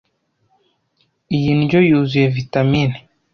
Iyi ndyo yuzuye vitamine.